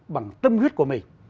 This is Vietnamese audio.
bằng tâm huyết của mình